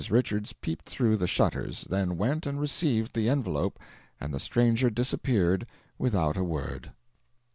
Richards peeped through the shutters, then went and received the envelope, and the stranger disappeared without a word.